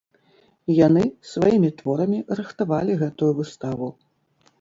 Яны сваімі творамі рыхтавалі гэтую выставу.